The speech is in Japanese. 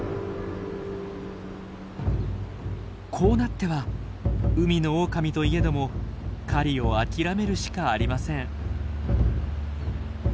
こうなっては海のオオカミといえども狩りを諦めるしかありません。